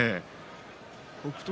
北勝